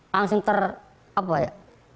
langsung ter apa ya